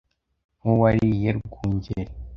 nk' uwariye r wungeri